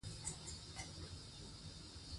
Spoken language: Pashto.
کله چې ولس ځان بې ارزښته احساس کړي باور له منځه ځي